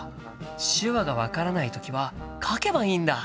手話が分からない時は書けばいいんだ！